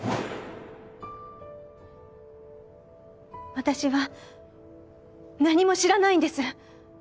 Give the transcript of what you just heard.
私は何も知らないんです